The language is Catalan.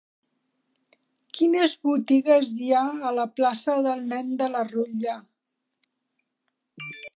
Quines botigues hi ha a la plaça del Nen de la Rutlla?